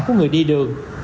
của người đi đường